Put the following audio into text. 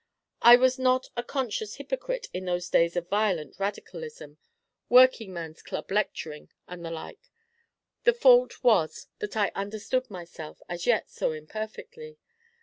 I was not a conscious hypocrite in those days of violent radicalism, working man's club lecturing, and the like; the fault was that I understood myself as yet so imperfectly.